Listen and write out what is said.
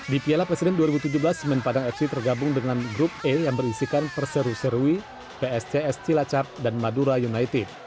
di piala presiden dua ribu tujuh belas semen padang fc tergabung dengan grup e yang berisikan perseru serui pscs cilacap dan madura united